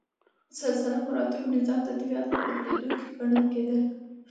سلسله مراتبو نظام د طبیعت نه بدلیدونکی ګڼل کېده.